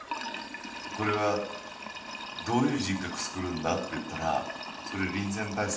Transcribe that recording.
これはどういう人格つくるんだっていったらそれ臨戦態勢だよね。